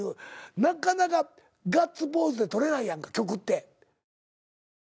なかなかガッツポーズってとれないやんか曲って。